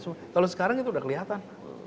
kalau sekarang itu udah kelihatan